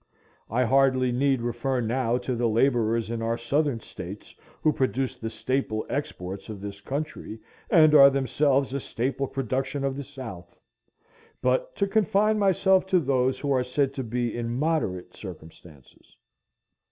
I hardly need refer now to the laborers in our Southern States who produce the staple exports of this country, and are themselves a staple production of the South. But to confine myself to those who are said to be in moderate circumstances.